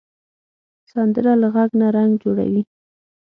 سندره له غږ نه رنګ جوړوي